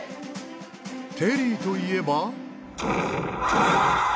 テリーといえば。